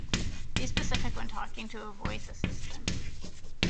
Be specific when talking to a voice assistant.